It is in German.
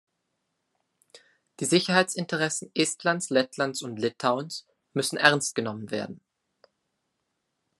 Die Sicherheitsinteressen Estlands, Lettlands und Litauens müssen ernst genommen werden.